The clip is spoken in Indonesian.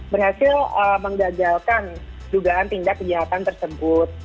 berhasil menggagalkan dugaan tindak kejahatan tersebut